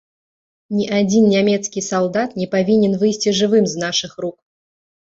Ні адзін нямецкі салдат не павінен выйсці жывым з нашых рук!